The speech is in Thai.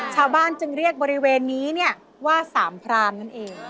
ชาวบ้านจึงเรียกบริเวณนี้เนี่ยว่าสามพรานนั่นเอง